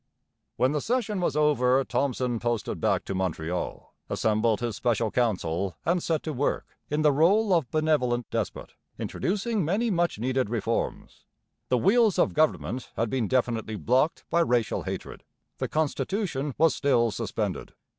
When the session was over Thomson posted back to Montreal, assembled his Special Council, and set to work, in the rôle of benevolent despot, introducing many much needed reforms. The wheels of government had been definitely blocked by racial hatred; the constitution was still suspended.